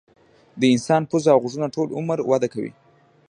د انسان پوزه او غوږونه ټول عمر وده کوي.